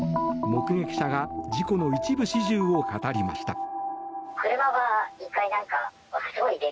目撃者が事故の一部始終を語りました。